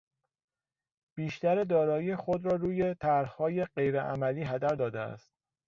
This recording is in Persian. بیشتر دارایی خود را روی طرحهای غیر عملی هدر داده است.